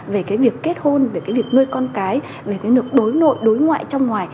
về việc kết hôn về việc nuôi con cái về nước đối nội đối ngoại trong ngoài